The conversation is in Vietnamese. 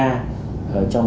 trực tiếp thực hiện